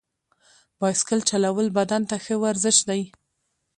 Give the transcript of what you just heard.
بایسکل چلول بدن ته ښه ورزش دی.